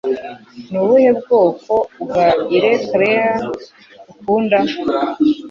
Ni ubuhe bwoko bwa ice cream ukunda?